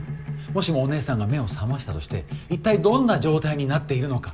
もしもお姉さんが目を覚ましたとして一体どんな状態になっているのか。